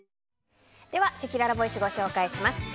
ではせきららボイスご紹介します。